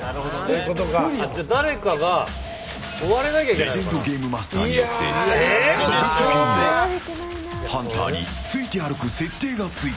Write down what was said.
レジェンドゲームマスターによってロボット犬にはハンターについて歩く設定が追加。